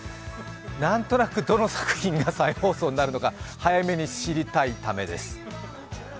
何となくどの作品が再放送になるのか早めに知りたいためです。